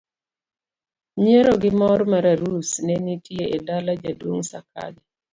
nyiero gi mor mar arus ne nitie e dala jaduong' Sakaja